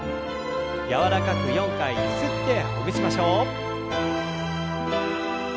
柔らかく４回ゆすってほぐしましょう。